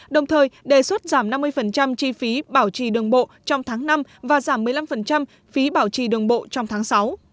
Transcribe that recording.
đồng thời đề xuất giảm năm mươi chi phí bảo trì đường bộ trong tháng năm và giảm một mươi năm phí bảo trì đường bộ trong tháng sáu